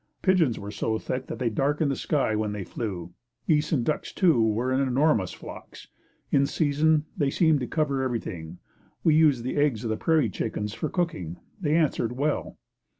Pigeons were so thick that they darkened the sky when they flew. Geese and ducks, too, were in enormous flocks. In season, they seemed to cover everything. We used the eggs of the prairie chickens for cooking. They answered well.